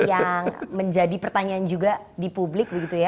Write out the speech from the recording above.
yang menjadi pertanyaan juga di publik